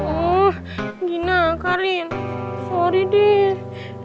oh gina karin sorry deh